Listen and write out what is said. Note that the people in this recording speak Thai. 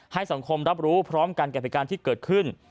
ให้สังคมรับรู้พร้อมกันกับเหตุการณ์ที่เกิดขึ้น